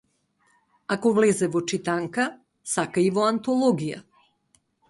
Ако влезе во читанка, сака и во антологија.